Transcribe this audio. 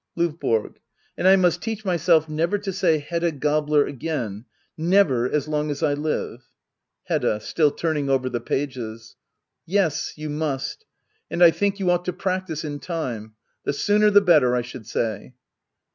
LOVBORO. And I must teach myself never to say Hedda Gabler again — never, as long as I live. Hedda. [Still turning over the pages,] Yes, you must. And I think you ought to practise in time. The sooner the better, I should say.